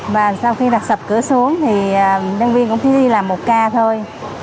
và sau khi đặt sập cửa xuống thì nhân viên cũng chỉ đi làm một ca thôi